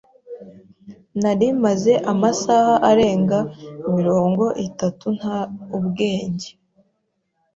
Nari maze amasaha arenga mirongo itatu nta ubwenge.